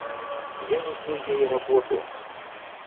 Я несу ей работу.